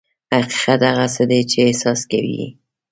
حقیقت هغه څه دي چې احساس کوو یې.